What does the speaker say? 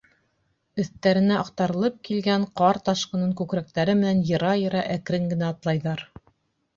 Өҫтәренә аҡтарылып килгән ҡар ташҡынын күкрәктәре менән йыра-йыра, әкрен генә атлайҙар.